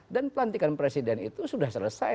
dan pelantikan presiden itu sudah selesai